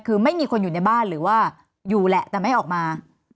คือไม่มีคนอยู่ในบ้านหรือว่าอยู่แหละแต่ไม่ออกมา